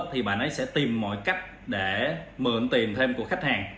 thì bạn ấy sẽ tìm mọi cách để mượn tiền thêm của khách hàng